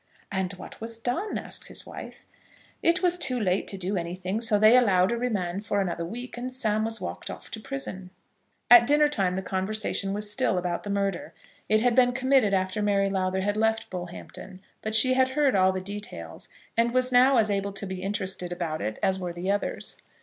"And what was done?" asked his wife. "It was too late to do anything; so they allowed a remand for another week, and Sam was walked off to prison." At dinner time the conversation was still about the murder. It had been committed after Mary Lowther had left Bullhampton; but she had heard all the details, and was now as able to be interested about it as were the others.